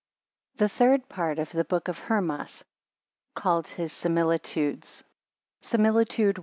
THE THIRD PART OF THE BOOK OF HERMAS, CALLED HIS SIMILITUDES. SIMILITUDE I.